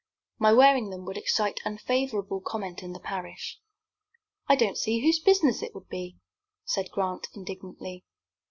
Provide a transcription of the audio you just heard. My wearing them would excite unfavorable comment in the parish." "I don't see whose business it would be," said Grant, indignantly.